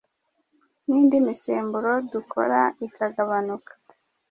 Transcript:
n'indi misemburo dukora ikagabanuka